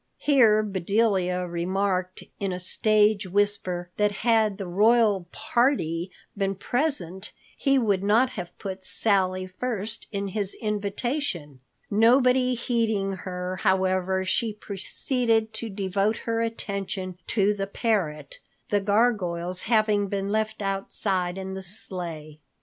Here Bedelia remarked in a stage whisper that had the "royal party" been present, he would not have put Sally first in his invitation. Nobody heeding her, however, she proceeded to devote her attention to the parrot, the gargoyles having been left outside in the sleigh.